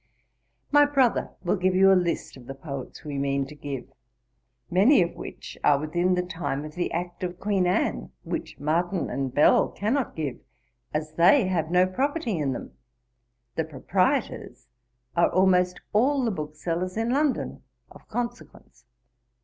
My brother will give you a list of the Poets we mean to give, many of which are within the time of the Act of Queen Anne, which Martin and Bell cannot give, as they have no property in them; the proprietors are almost all the booksellers in London, of consequence.